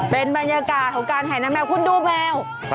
เป็นบรรยากาศของการแห่นาแมวคุณดูแมว